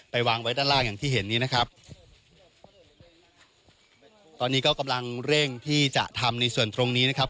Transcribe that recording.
วางไว้ด้านล่างอย่างที่เห็นนี้นะครับตอนนี้ก็กำลังเร่งที่จะทำในส่วนตรงนี้นะครับ